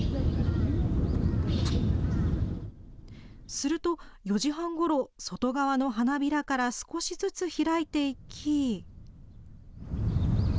すると４時半ごろ、外側の花びらから少しずつ開いていき。